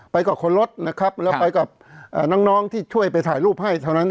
กับคนรถนะครับแล้วไปกับน้องที่ช่วยไปถ่ายรูปให้เท่านั้น